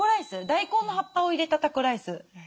大根の葉っぱを入れたタコライス。